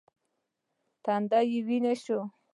تندی یې ویني شو .